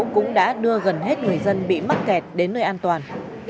cũng đã đưa gần hết người dân bị mắc kẹt đến nơi an toàn